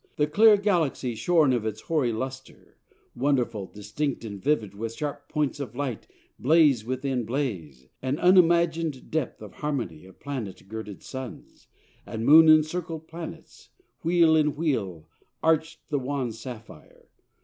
The clear Galaxy Shorn of its hoary lustre, wonderful, Distinct and vivid with sharp points of light Blaze within blaze, an unimagin'd depth And harmony of planet girded Suns And moon encircled planets, wheel in wheel, Arch'd the wan Sapphire.